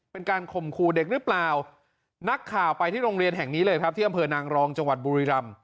เป็นการข่มขู่เด็กหรือเปล่านักข่าวไปที่โรงเรียนแห่งนี้เลยครับที่อำเภอนางรองจังหวัดบุรีรำ